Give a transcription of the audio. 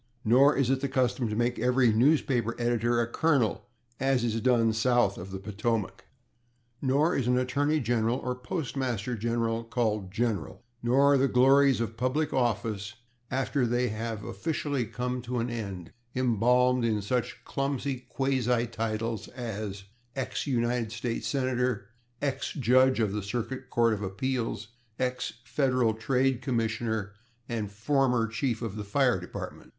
Nor is it the custom to make every newspaper editor a colonel, as is done south of the Potomac. Nor is an attorney general or postmaster general called /General/. Nor are the glories of public office, after they have officially come to an end, embalmed in such clumsy quasi titles as /ex United States Senator/, /ex Judge of the Circuit Court of Appeals/, /ex Federal Trade Commissioner/ and /former Chief of the Fire Department